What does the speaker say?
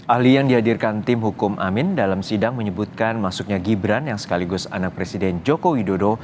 ahli yang dihadirkan tim hukum amin dalam sidang menyebutkan masuknya gibran yang sekaligus anak presiden joko widodo